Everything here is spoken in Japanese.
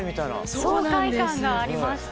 爽快感がありました。